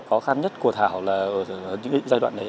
khó khăn nhất của thảo là ở những giai đoạn đấy